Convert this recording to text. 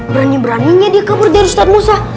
berani beraninya dia kabur dari ustadz musa